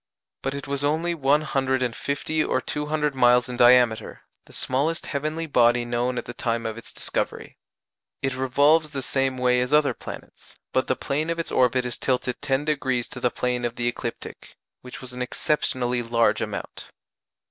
But it was only one hundred and fifty or two hundred miles in diameter the smallest heavenly body known at the time of its discovery. It revolves the same way as other planets, but the plane of its orbit is tilted 10° to the plane of the ecliptic, which was an exceptionally large amount.